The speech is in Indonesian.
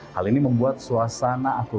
hal ini membuat suasana akun